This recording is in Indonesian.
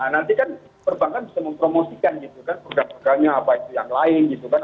nanti kan perbankan bisa mempromosikan gitu kan produk produknya apa itu yang lain gitu kan